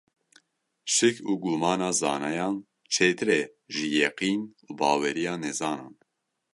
Şik û gumana zanayan, çêtir e ji yeqîn û baweriya nezanan.